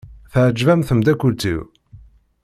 Teɛjeb-am tmeddakelt-iw?